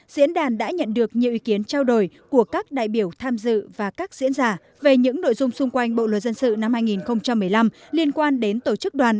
diễn đàn đã nhận được nhiều ý kiến trao đổi của các đại biểu tham dự và các diễn giả về những nội dung xung quanh bộ luật dân sự năm hai nghìn một mươi năm liên quan đến tổ chức đoàn